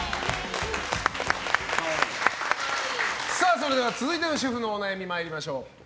それでは続いての主婦のお悩みに参りましょう。